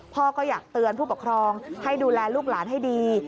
พ่อก็อยากเตือนผู้ปกครองให้ดูแลลูกหลานให้ดี